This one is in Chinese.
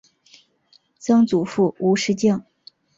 曾祖父吴仕敬。